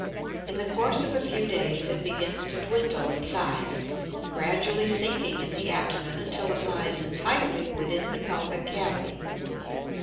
In the course of a few days it begins to dwindle in size, gradually sinking in the abdomen until it lies entirely within the pelvic cavity.